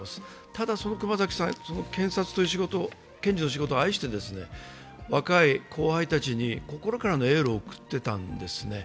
ただ、その熊崎さん、検察という仕事、検事の仕事を愛していて、若い後輩たちに心からのエールを送ってたんですね。